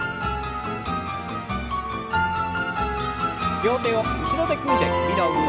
両手を後ろで組んで首の運動。